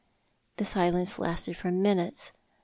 The silence lasted for minutes.